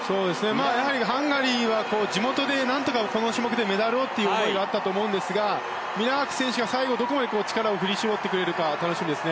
ハンガリーは地元でこの種目でメダルをという思いがあったと思うんですがミラーク選手が最後どこまで力を振り絞ってくれるか楽しみです。